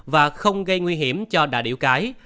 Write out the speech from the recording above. và không gây nguy hiểm cho đà điểu cái